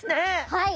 はい。